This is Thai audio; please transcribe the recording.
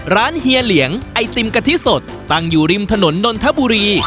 เฮียเหลียงไอติมกะทิสดตั้งอยู่ริมถนนนนทบุรี